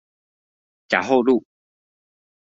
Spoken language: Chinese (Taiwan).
甲后路